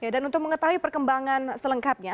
dan untuk mengetahui perkembangan selengkapnya